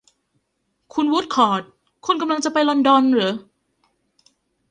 คุณวูดคอร์ต คุณกำลังจะไปลอนดอนหรือ ?